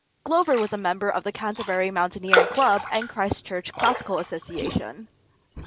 Glover was a member of the Canterbury Mountaineering Club and Christchurch Classical Association.